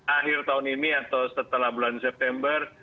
akhir tahun ini atau setelah bulan september